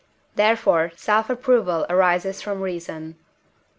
therefore self approval arises from reason.